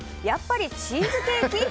やっぱりチーズケーキ？